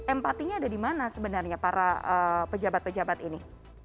empatinya ada di mana sebenarnya para pejabat pejabat ini